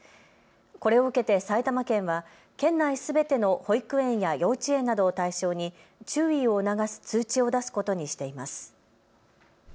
これを受けて埼玉県は県内すべての保育園や幼稚園などを対象に注意を促す通知を出すことにしています。